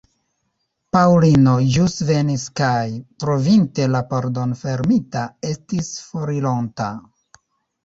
Paŭlino ĵus venis kaj, trovinte la pordon fermita, estis forironta.